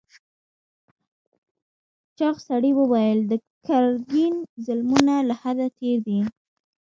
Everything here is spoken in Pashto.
چاغ سړي وویل د ګرګین ظلمونه له حده تېر دي.